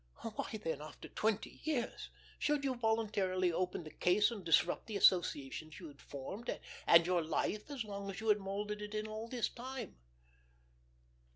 Why then, after twenty years, should you voluntarily open the case and disrupt the associations you had formed, and your life as you had molded it in all that time?